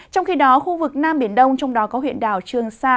trong khi đó khu vực nam biển đông trong đó có huyện đảo trường sa